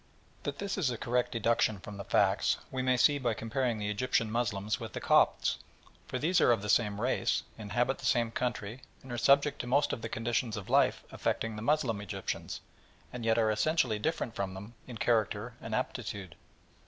That this is a correct deduction from the facts, we may see by comparing the Egyptian Moslems with the Copts, for these are of the same race, inhabit the same country, and are subject to most of the conditions of life affecting the Moslem Egyptians, and yet are essentially different from them in character and aptitude.